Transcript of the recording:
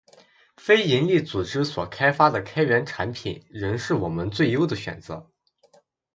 非营利组织所开发的开源产品，仍是我们最优的选择